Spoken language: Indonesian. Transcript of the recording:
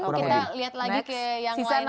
kita lihat lagi ke yang lainnya